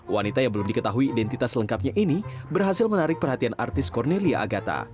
wanita yang belum diketahui identitas lengkapnya ini berhasil menarik perhatian artis cornelia agata